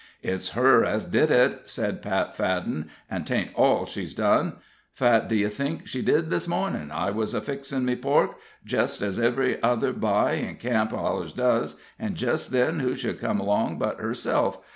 "It's her as did it," said Pat Fadden; "an' 'tain't all she's done. Fhat d'ye tink she did dhis mornin'? I was a fixin' me pork, jist as ivery other bye in camp allers does it, an' jist then who should come along but hersilf.